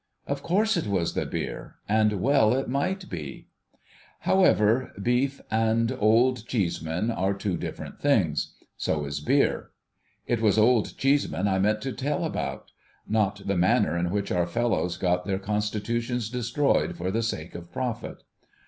Of course it was the beer, and well it might be ! However, beef and Old Cheeseman are two different things. So is beer. It was Old Cheeseman I meant to tell about ; not the manner in which our fellows get their constitutions destroyed for the sake of profit.